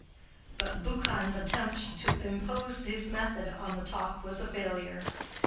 But Buchan's attempt to impose his method on the talk was a failure.